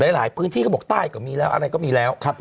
หลายพื้นที่เขาบอกใต้ก็มีแล้วอะไรก็มีแล้ว